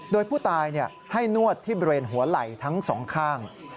โดยผู้ตายให้นวดที่บริเวณหัวไหล่ทั้งสองข้าง